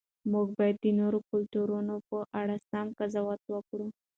موږ باید د نورو کلتورونو په اړه سم قضاوت وکړو.